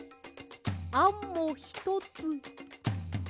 あんもひとつ。